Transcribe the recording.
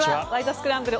スクランブル」